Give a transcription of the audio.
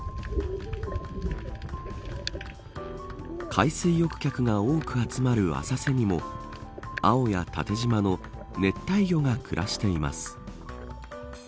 海水浴客が多く集まる浅瀬にも青や縦じまの熱帯魚が暮らしています。